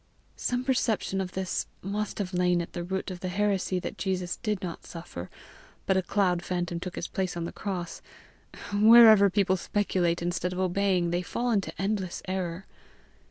Some perception of this must have lain at the root of the heresy that Jesus did not suffer, but a cloud phantom took his place on the cross. Wherever people speculate instead of obeying, they fall into endless error."